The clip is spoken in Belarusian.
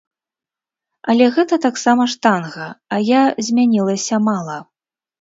Але гэта таксама штанга, а я змянілася мала.